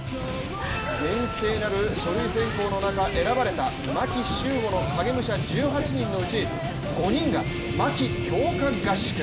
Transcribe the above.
厳正なる書類選考の中、選ばれた牧秀悟の影武者１８人のうち５人が牧強化合宿。